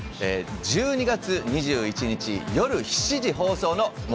１２月２１日夜７時放送のも